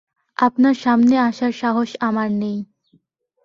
আপনার সামনে আসার সাহস আমার নেই।